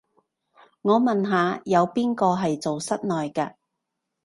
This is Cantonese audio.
我問下，有邊個係做室內嘅